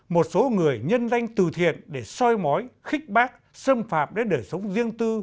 một số người nhân danh từ thiện để soi mói khích bác xâm phạm đến đời sống riêng tư